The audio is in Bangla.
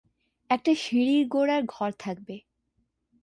একটা সিঁড়ির গোড়ার ঘর থাকবে।